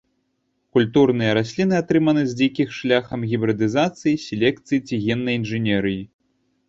Культурныя расліны атрыманы з дзікіх шляхам гібрыдызацыі, селекцыі ці геннай інжынерыі.